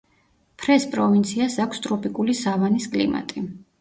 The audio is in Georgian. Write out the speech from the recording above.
ფრეს პროვინციას აქვს ტროპიკული სავანის კლიმატი.